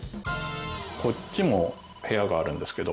こっちも部屋があるんですけど。